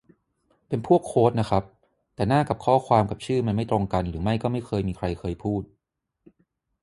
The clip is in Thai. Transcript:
เป็นพวกโควตน่ะครับ แต่หน้ากับข้อความกับชื่อมันไม่ตรงกันหรือไม่ก็ไม่เคยมีใครเคยพูด